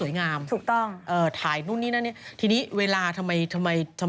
อย่าพยายามเริ่ม